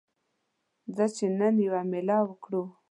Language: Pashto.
ځه چې نن یوه میله وکړو